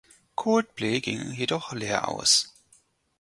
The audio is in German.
Coldplay gingen jedoch leer aus.